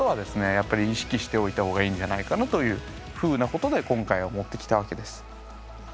やっぱり意識しておいたほうがいいんじゃないかなというふうなことで今回は持ってきたわけです。